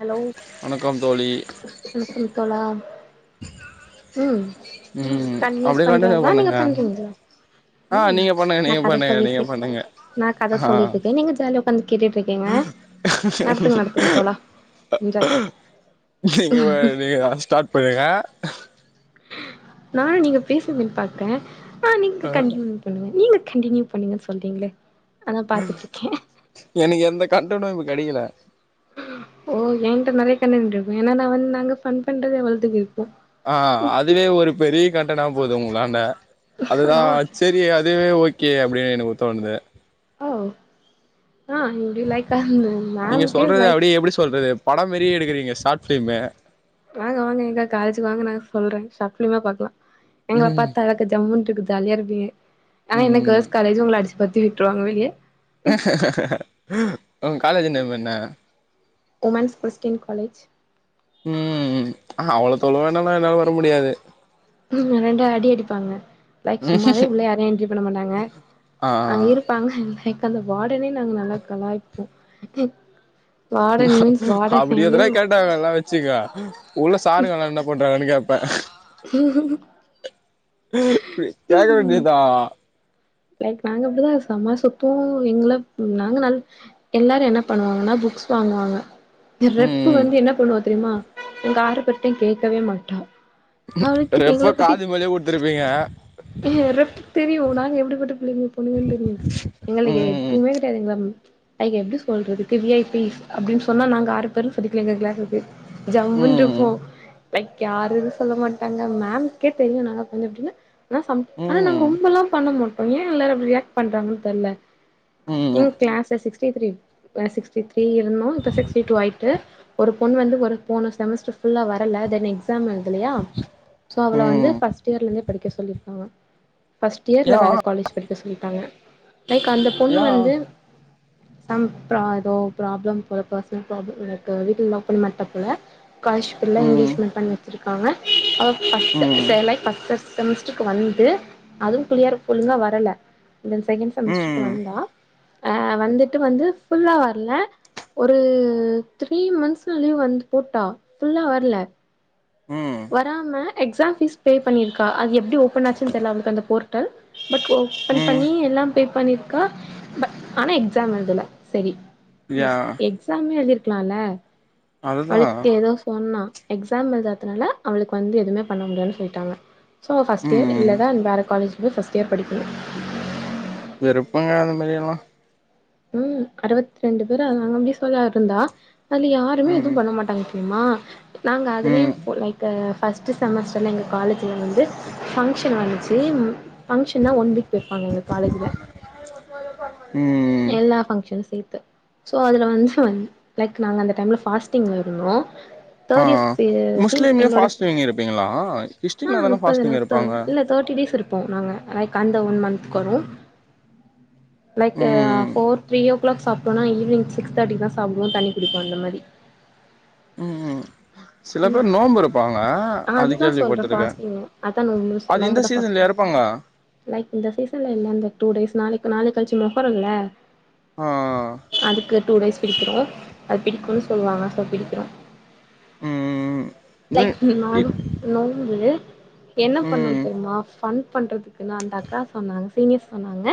hello வணக்கம் தோழி வணக்கம் தோழா ம் ம் கண்டிநுயஸ் அப்டியே கண்டினியூ பண்றீங்களா நீங்க பண்ணுங்க பண்றீங்களா ஆ ம் நீங்க பண்ணுங்க நா நீங்க கத பண்ணுங்க சொல்லிட்டு நீங்க இருக் பண்ணுங்க நா கத ஆ சொல்லிட்டுருக்கே நீங்க ஜா கேட்டுட்டுருக்கீங்க நடத்துங்க நடத்துங்க தோழா என்ஜாய் நீங்க வேற நீங்க தா ஸ்டார்ட் பண்ணுங்க நா நீங்க பேசுவேன்னு பாக்கேன் ஆ நீங்க கண்டூ பண்ணுவே நீங்க கண்டினியூ பண்ணீங்கன்னு சொல்றீங்களே அதா பாத்துட்டு இருக்கே எனக்கு எந்த கட்டணு இப்ப கெடைக்கல ஓ ஏ கிட்ட நெறைய கன்டண்ட் இருக்கு ஏன்னா நா வந்து நாங்க ஃபன் பண்றதே அவ்வளதுக்கு இரு ஆ அதுவே ஒரு பெரிய கட்டணா போது உங்களாண்ட அதுதா ஓ செரி அதுவே ஓகே அப்டின்னு எனக்குத் தோணது ஓ ஆ இப்டி லைக்க இந்த நீங்க மேம் கே சொல்றது லைக் அப்டியே எப்டி சொல்றது படம் மாரியே எடுக்கறீங்க ஷார்ட் ஃப்லீமு வாங்க வாங்க எங்க காலேஜுக்கு வாங்க நா சொல்றே ஷாட் ஃபீலீமே பாக்கலா எங்களை ம் பாத்தாளவுக்கு ஜம்முனு இருக்கு ஜாலியா இருப்பீங்க ஆனா என்ன ம் கேர்ள்ஸ் காலேஜு உங்கள அடிச்சு பத்தி விட்டுருவாங்க வெளியே உங்க காலேஜ் என்ன பண்ண வுமன்ஸ் கிரஸ்டின் காலேஜ் ம் அவ்ளவு தொலவு எல்லா என்னால வர முடியாது பாங்க லைக் சும்மாவே உள்ள யார என்ட்ரி பண்ண மாட்டாங்க ஆ அங்க ஆ இருப்பாங்க லைக் அந்த வாடனே நாங்க நல்லா கலாய்போ அப்டி எதனா கேட்டாங்க எல்லா வெச்சுக்க உள்ள சாருங்க எல்லா என்னாப் பண்றாங்கன்னு கே ப்ப கேக்க ம் வேண்டியதா லைக் நாங்க அப்டிதா செம சுத்துவோ எங்கள நாங்க நா எல்லாரு என்ன பண்ணுவாங்கன்னா பு க்ஸ் வாங்குவாங்க ம் ரெப்பு ம் வந்து என்ன பண்ணுவா தெரியுமா எங்க ஆறு பேர்ட்டையு கேக்கவே மாட்டா அவளுக்கு தெ எங்களை ரெப்ப பத்தி காது மேலயே குடுத்துருப்பீங்க [unintelligible] ரெப் தெரியு நாங்க எப்டி புள்ளைங்க பொண்ணுகன்னு தெரியு எங்களுக்கு ம் எதுவுமே கெடையாது எங்கள ம் லைக் எப்டி சொல்றதுக்கு வி ஐ பிஸ் அப்டின்னு சொன்னா நாங்க ஆறு பேரு சொல்லிகளா எங்க கிளாஸு பேர் ஜம்முனு ம் இருப்போ லைக் யாருன்னு சொல்ல மாட்டாங்க மேம் கே தெரியு நாங்க கொஞ்சோ இப்டின்னு ஆனா சம் ஆனா நாங்க ம் ரொம்பெல்லா பண்ண மாட்டோ ஏ எல்லாரு இப்டி ரியாக்ட் பண்றாங்கன்னு தெரில ம் எங்க கிளாஸ்ல சிக்ஸ்டி த்ரீ சிக்ஸ்டி த்ரீ இருந்தோ இப்ப சிக்ஸ்டி டூ ஆயிட்டு ஒரு பொண் வந்து ஒரு போன செமஸ்டர் ஃபுல்லா வரல தென் எக் ஸாம் எழுதலையா சோ அவள வந்து ம் பஸ்ட் இயர்ல இருந்தே படிக்க சொல்லியிருக்காங்க பர்ஸ்ட் இயர்ல யா வேற காலேஜ் படிக்க சொல்லிட்டாங்க லைக் அந்த பொண்ணு யா வந்து சம் ப்ரா ஏதோ ப்ராப்ளம் போல பர்சனல் ப்ராப்ளம் எனக்கு வீட்ல எல்லா பொண்ணுமேல தப்பில்ல கஸ் ஃபுல்லா ம் எங்கேஜ்மெண்ட் பண்ணி வச்சிருக்காங்க அவ ம் பஸ்ட் லைக் பஸ்ட் செமஸ்டருக்கு வந்து அதுவு கிளியர் ஒழுங்க வரல தென் செகண்ட் செமஸ்டருக்கு ம் வந்தா அ வந்துட்டு வந்து ஃபுல்லா வர்ல ஒரு த்ரீ மந்த்ஸுல லீவ் வந்து போட்டா ஃபுல்லா வர்ல ம் வராம எக்ஸாம் பீஸ் பே பண்ணிருக்கா அது எப்டி ஓபன் ஆச்சுன்னு தெரில அவளுக்கு அந்த போர்ட்டல் பட் ஓபன் ம் பண்ணி எல்லா பே பண்ணிருக்கா ப ஆனா எக்ஸாம் எதுல செரி யா மோஸ் எக்ஸாமே எழுதிருக்கலால்ல அதுதா அழுத் ஏதோ சொன்னா எக்ஸாம் எழுததுனால அவளுக்கு வந்து எதுவுமே பண்ண முடியாதுன்னு சொல்லிட்டாங்க ஸோ ஃபஸ்ட் இயர் ம் இல்ல தா வேற காலேஜ்ல ஃபஸ்ட் இயர் படிக்கனு இருப்பங்க அந்த மாரி எல்லா ம் அறுபத்தி ரெண்டு பேர்அங்க [unintelligible] இருந்தா அதுல யாருமே ம் எதுவு பண்ண மாட்டாங்க ம்மா நாங்க அதுலே ம் ப் லைக்கு ஃபஸ்ட்டு செமஸ்டர்ல எங்க காலேஜ்ல வந்து ஃபங்க்ஷன் வந்துச்சிம் ஃபங்க்ஷன்னா ஒன் வீக் வெப்பாங்க எங்க காலேஜ்ல ம் எல்லா ஃப்ஷன்ஸே சோ அதுல வந்துன் லைக் நாங்க அந்த டைம்ல ஃபாஸ்டிங் இருந்தோ ஆ தேர்ட் இயர்ஸு சீன் முஸ்லீம்லயு எங்களோட சீன் ஃபாஸ்டிங் இருப்பீங்களா ஆ கிறிஸ்டின்ல தான முப்பது ஃபாஸ்டிங் நாத்த இருப்பாங்க இல்ல தேர்ட்டி டேஸ் இருப்போ நாங்க ஆக் கந்த ஒன் மந்த்த்க்கு வரும் லைக்கு ம் ஃபோர் த்ரீ ஓ கிளாக் சாப்ட்டோனா ஈவ்னிங் சிக்ஸ் தேர்ட்டி தா சாப்டுவோ தண்ணி குடிப்போ அந்த மாரி ம் சில ம் பேர் நோம்பு இருப்பாங்க அது அதுதா சொல்ற கேள்விப்பட்டட்டுருக்கே ஃபாஸ்டிங்கு அதா நோம்பு அது இந்த நோம்புதா சீசன்லியா ஃபாஸ்டிங் இர் ருப்பாங்க லைக் இந்த சீசன்ல எல்லாமே டூ டேஸ் நாளைக் நாளைக் கழிச்சு மொஹரோல்ல ஆ அதுக்கு டூ டேஸ் பிடிக்கிறோ அது பிடிக்குணூ சொல்லுவாங்க ஸோ பிடிக்கிறோ ம் ம் லைக் நானு நோம்பு என்ன பண்ணு ம் தெரியுமா ஃபன் பண்றதுக்குனு அந்த அக்கா சொன்னாங்க சீனியர் சொன்னாங்க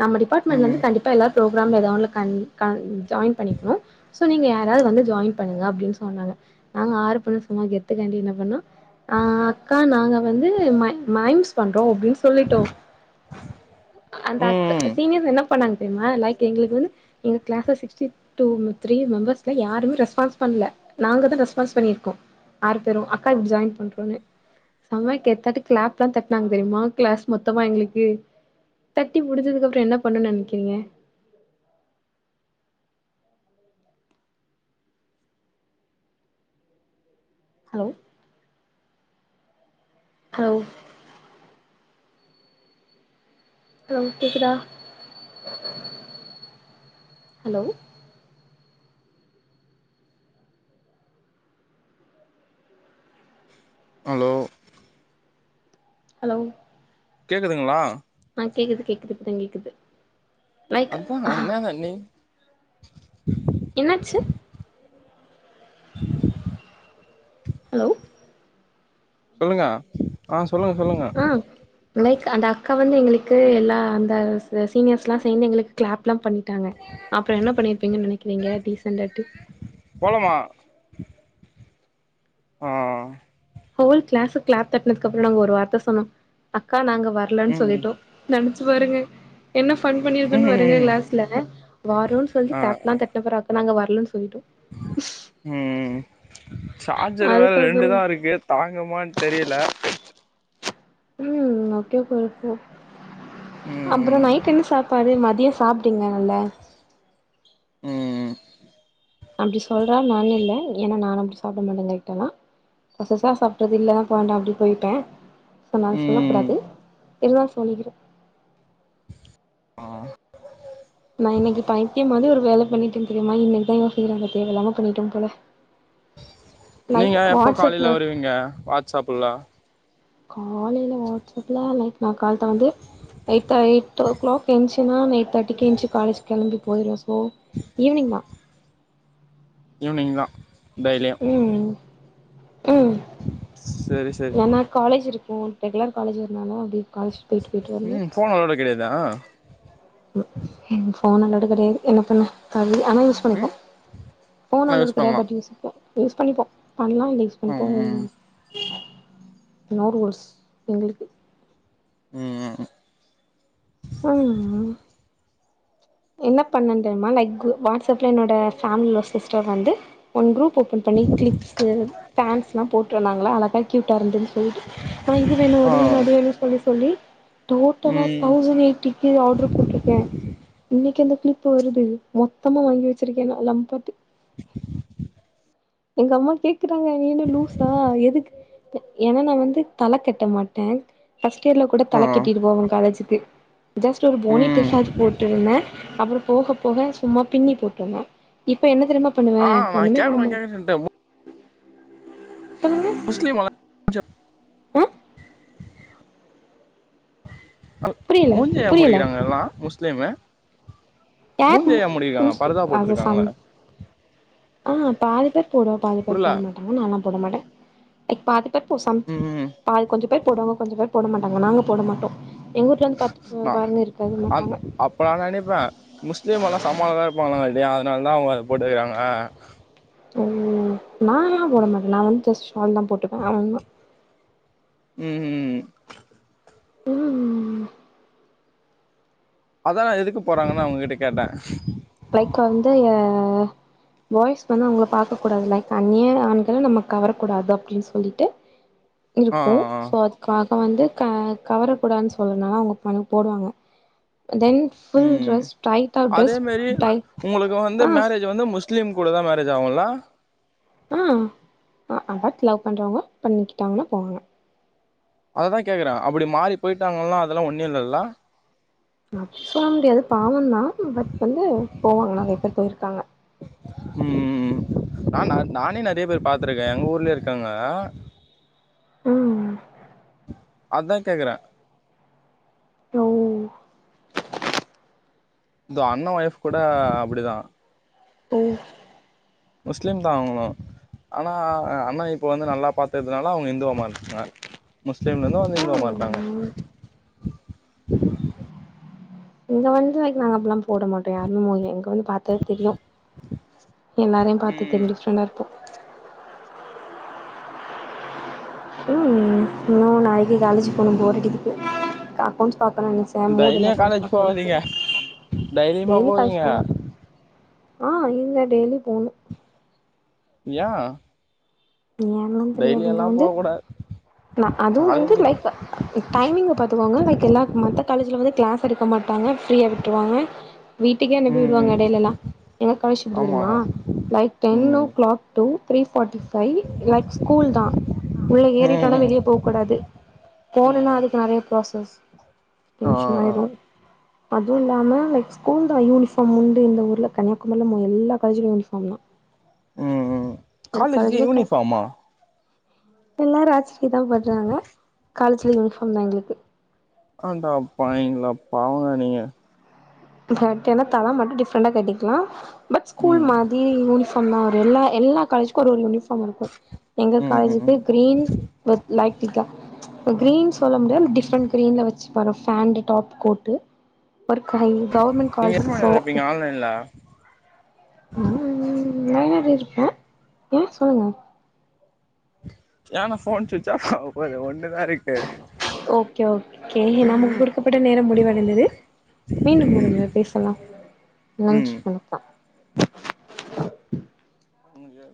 நம்ம டிபார்ட்மெண்ட்லந்து ம் கண்டிப்பா எல்லார் பரோக்ராம் எதா ஒன்னுல கண் கண் ஜாயின் பண்ணிக்குணு து நீங்க யாராவ்து வந்து ஜாயின் பண்ணுங்க அப்டின் சொன்னாங்க நாங்க ஆறு பேரு சும்மா கெத்துக்காண்டி என்ன பண்ணோ ஆ அக்கா நாங்க வந்து மை மைம்ஸ் பண்றோ அப்டின் சொல்லிட்டோ அந்த அக் ம் சீனியர்ஸ் என்ன பண்ணாங்க தெரிமா லைக் எங்களுக்கு வந்து எங்க கிளாஸ்ல சிக்டி டூ த்ரீ மெம்பர்ஸ்ல யாருமே ரெஸ்பான்ஸ் பண் ல்ல நாங்க தா ரெஸ்பான்ஸ் பண்ணிருக்கோ ஆறு பேரு அக்கா இப் ஜாயின் பண்றோனு சம கெத்தாட்டு கிளாப்லா தட்னாங்க தெரிமா கிளாஸ் மொத்தமா எங்குளுக்கு தட்டி முடிஞ்சதுக்கப்றோ என்ன பண்ணோ நெனைக்கிறீங்க ஹலோ ஹல் ஹலோ கேக்குதா ஹலோ அலோ ஹலோ கேக்குதுங்களா ஆ கேக்குது கேக்குது இப்பதா கேக்குது லைக் அதா என்னாங்க நி என்னாச்சு ஹலோ சொல்லுங்க ஆ சொல்லுங்க சொல்லுங்க ஆ லைக் அந்த க்கா வந்து எங்குளுக்கு எல்லா அந்த சீனியர்ஸ்லா சேந்து எங்ளுக்கு கிளாப்லா பண்ணி டாங்க அப்றோ என்ன பண்ணிருப்பீங்குன் நெனைக்கிறீங்க டீசண்டாட்டு போலாமா ஆ ஹோல் கிளாஸு கிளாப் தட்னதுக்கப்றோ நாங்க ஒரு வார்த்த சொன்னோ அக்கா நாங்க வர்லன் ம் சொல்லிட்டோ நன்ச் பாருங்க என்ன ஃபன் பண்ணிருக்கோன் பாருங்க ம் க்ளாஸ்ல வரோன் சொல்லி ஆ கிளாப்லா தட்னப்ற நாங்க வரலன் ஸ் ல்லிட்டோ ம் சார்ஜர் வேற ரெண்டு தா இருக்கு தாங்குமான் தெரில ம் ஓகே [unintelligible] அப்றோ ம் நைட்டு என்ன சாப்பாடு மத் தியை சாப்ட்டீங்க நல்ல ம் அப்டி சொல்ற ஆள் நானுல்ல ஏனா நானு அப்படி சாப்ட மாட்டே லைட்டா தா கொசசா சாப்ட்டது இல்ல இப்ப வேண்டா அப்டி போய்ப்பே சொன்னான் சொல்ல ம் கூடாது இருந்தா சொல்லிக்கிறே ஆ நா இனைக்கி பைத்தியம் மாதிரி ஒரு வேல பண்ணிட்டே தெரிமா இனைக் தா யோசிக்கிறே அத தேவயில்லாம பண்ணிட்டோம் போல நீங்க லைக் எப்போ காலைல வாட்ஸ்அப்ல வருவீங்க வாட்ஸ்ஸாப்புல காலைல வாட்ஸ்ஸாப்ல லைக் நா கால்த்த வந்து எயிட் தே எயிட் ஓ க்ளாக் எந்ச்சுன்னா நா எயிட் தேட்டிக்கு எந்ச்சு காலேஜ் கெம்பி போயிருவே சோ ஈவினிங் தா ஈவினிங் தா டெய்லியு ம் ம் சரி சரி என்னன்னா காலேஜ் இருக்கு ரெகுலர் காலேஜ்ங்கறனால அப்டியே காலேஜ் போய்ட் போய்ட்டு வருவே இதா எங்க ஃபோன் அல்லோடு கெடையாது என்ன பண்ண தள் ஆனா யூஸ் பண்ணிப்போ ம் ஃபோன் ஆனா அல்லோ யூஸ் கெடையாது பண்லா பட் யூசிப்போ யூஸ் பண்ணிப்போ பண்லா இந்த யூஸ் பண்ணிப்போ ம் நோ ரூல்ஸ் எங்ளுக்கு ம் ம் ம் ஆ என்ன பண்ணந்தெரிமா லைக் க்ரு வாட்ஸ் அப்ல என்னோட ஃபேமிலிளோ சிஸ்டர் வந்து ஒன் குரூப் ஓப்பன் பண்ணி க்ளிப்ஸு ஃபேன்ஸ்லா போட்டு வந்தாங்ளா அழகா கியூட்டா இருந்துது சொல்லிட்டு அ இது வேணு அது ஆ வேணும் அது வேணு சொல்லி சொல்லி டோட்டலா ம் தௌசண்ட் எயிட் டி ஆட்ரு போட்டிருக்கே இ னைக்கி இந்த கிளிப்பு வருது மொத்தமா வாங்கி வெச்சிருக்கே நா [unintelligible] எங்க அம்மா கேக்குறாங்க நீ என்ன லூசா எதுக்கு ஏனா நா வந்து தல கட்ட மாட்டே ஃபஸ்ட் இயர்ல கூட தல ஆ கட்டிட்டு போவே காலேஜுக்கு ஜஸ்ட் ஒரு போனி ம் டெகாட் போட்டுருந்தே அப்றோ போக போக சும்மா பின்னி போட்ருந்தே இப்ப என்ன தெரிமா பண்ணுவே ஆ நா ஒண்ணுமே பண்ண கேக்கணு மா கேக்கணு சொல்ட்டே மோஸ்லி வா [inaudible] ஜா ஆ க புரியல மூஞ்சிய ஏ புரியல மூடிக்கிறாங்க எல்லா முஸ்லீமு மூஞ்ச ஏ மூடிருக்காங்க பரதா [unintelligible] அது சம் போட்ருக்காங்களே ஆ பாதி பேர் போடுவ பாதி பேர் புரில போட மாட்டாங்க நால்லா போட மாட்டே க் பாதி பேர் போ சம் ம் பா கொஞ்ச பேர் போடுவாங்க கொஞ்ச பேர் போட மாட்டாங்க நாங்க போட மாட்டோ எங்க வீட்ல வந்து பாத்து நா போ [unintelligible] இருக்காது அந் மாட்டாங்க அப்ப நா நெனைப்பே முஸ்லீம் எல்லா செம அழகா இருப்பாங்கல்ல இல்லையா அதனால தா அவுங்க போட்டுக்கிறாங்க நால்லா போட மாட்டே நா வந்து ஜஸ்ட் ஷால் தா போட்டுவே அவ்ளந்தா ம் ம் ம் ம் ம் அதா எதுக்கு போட்றாங்கன்னு அவுங்ககிட்ட கேட்டே லைக் வந்து அ பாய்ஸ் வந்து அவங்கள பாக்க கூடாது லைக் அந்நிய ஆண்கள நம்ம கவரக்கூடாது அப்டின் சொல்லிட்டு ஆ இருக்கு ஆ சோ அதுக்கா க வந்து க கவரக்கூடாதுன் சொல்றனால அவுங்க பன் போடுவாங்கோ தென் ஃபுல் டிரஸ் டைட் ஆப் டிரஸ் [unintelligible] உங்ளுக்கு வந்து மேரேஜு வந்து முஸ்லீம் கூட தா மேரேஜ் ஆகுல்ல ஆ அ அவ பாத் லவ் பண்றவங்க பண்ணிக்கிட்டாங்ன்னா போவே அதுதா கேக்குறே அப்டி மாறி போயிட்டாங்கன்னா அதெல்லா ஒன்னு இல்லைல்ல அப்டி சொல்ல முடியாது பாவந்தா தாங்க ம் ம் நா நானே நெறைய பேர் பாத்துருக்கே எங்க ஊர்லயு இருக்காங்க ம் அத்தா கேக்குற லோ தோ அண்ண ஒய்ஃப் கூட அப்டிதா ஓ முஸ்லிம் தா அவ்ங்ளு ஆனா அண்ணா இப்ப வந்து நல்லா பாத்துர்துனால அவங்க இந்துவா மார்னாங்க முஸ்லீம்லந்து வந்து இந்துவா மாற்ட்டாங்க ம் இங்க வந்து லைக் நாங்க அப்டில்லா போடமாட்டோ யாருமே மொதில எங்கள் பாத்தா தெரியு எல்லாரயு பாத்து ம் தெரிஞ்சுட்சுனு இர்ப்ப ம் இன்னு நாளைக்கு காலேஜ்க்கு போனு போர் அடிக்குது அக்கவுன்ஸ் பாக் கனுன் நெனச்ச மூட் இல்ல டெய்லியு அக்கோன்ஸ் காலேஜ் பாக்குறதுக்கு போவாதீங்க தைரியமா டெய்லி காலேஜ் போவீங்க போன் ஆஹ் இங்க டெய்லி போணு யா யான்ல்லா தெரியாது இங்க வந்து க்ளா அதுவு வந்து காலேஜுக்கு லைக் டைமிங்க பாத்துக்கோங்க லைக் கிளாக்க் மத்த காலேஜ்ல வந்து க்ளாஸ் எடுக்க மாட்டாங்க ஃப்ரீயா விட்ருவாங்க வீட்டுக்கே அனுப்பி ம் விடுவாங்க ம் எடைலெல்லா யெங்க காலேஜ் எப்டி ஆமா தெரியுமா like ten o'clock to three forty five like school தா உள்ள ஏறிட்டோனா ம் வெளியே போ கூடாது போனுன்னா ம் அதுக்கு நெறைய ப்ராசஸ் ஆ ஆ டென்ஷன்ஆயிரு அதுவு இல்லாம லைக் ஸ்கூல் தா யூனிஃபார்ம் உண்டு இந்த ஊர்ல கன்னியாகுமரில எல்லா காலேஜ்லு யூனிஃபாம் தா உம் ம் ஒரு காலேஜ்க்கு காலேஜ்ல யூனிபார்மா எல்லாரு ஆச்சர்யோ தா பட்றாங்க காலேஜ்ல யூனிஃபார்ம் தான எங்ளுக்கு ஆடா பாய்விங்களா பாவங்க நீங்க பாத்தன தலா மட்டு டிஃப்ரெண்டா கட்டிக்கலா பட் ஸ்கூல் ம் மாதிரி யூனிஃப் பாம்தாவரு எல்லா எல்லா காலேஜுக்கும் ஒரு ஒரு யூனிஃபா ம்மிருக்கு எங்க ம் ம் ம் காலேஜுக்கு கிரீன் வித் லைட் பிங்கா கிரீன் சொல்ல முடியாது டிஃப்ரெண்ட் கிரீன்ல வச்சு வரு பாண்டு டாப் கோட்டு ஒர்க்க கவர்மெண்ட் நீங்க காலேஜ் எத்தன மணி ஸோ வர இருப்பீங்க ஆன்லைன்ல ஹ்ம்ம்ம் வயநாடு இருப்பே ம் சொல்லுங்க யானா போன் சுச்ஆப் ஆவ போது ஒன் ஓகே ஒக்கே நமக்கு கொடுக்கப்பட்ட நேரம் முடிவடைந்தது மீண்டும் ஒரு முரை பேசலாம் நன்றி ம் வணக்கம் [inaudible] இங்யே